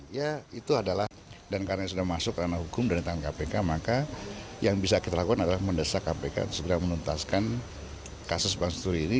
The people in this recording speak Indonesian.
ya itu adalah dan karena sudah masuk ranah hukum dan ditangkap kpk maka yang bisa kita lakukan adalah mendesak kpk untuk segera menuntaskan kasus bank senturi ini